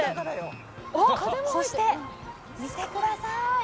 おっそして見てください。